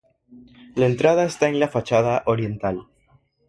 La entrada está en la fachada oriental.